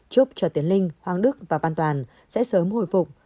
trúc cho tiến linh hoàng đức và văn toàn sẽ sớm hồi phục